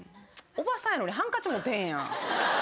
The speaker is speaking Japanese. おばさんやのにハンカチ持ってへんやん。